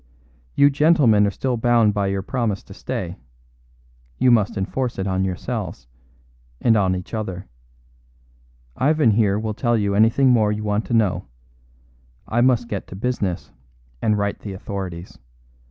You gentlemen are still bound by your promise to stay; you must enforce it on yourselves and on each other. Ivan here will tell you anything more you want to know; I must get to business and write to the authorities.